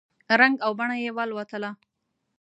رنګ او بڼه یې والوتله !